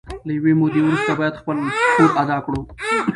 له یوې مودې وروسته باید خپل پور ادا کړي